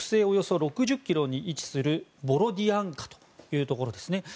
およそ６０ｋｍに位置するボロディアンカというところです。